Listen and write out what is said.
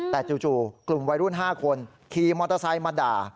แต่จู่กลุ่มวัยรุ่น๕คนขี่มอเตอร์ไซค์มาด่า